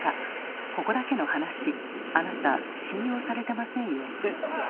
ここだけの話あなた信用されてませんよ。